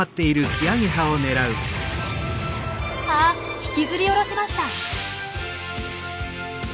あっ引きずり下ろしました！